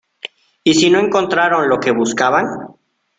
¿ y si no encontraron lo que buscaban?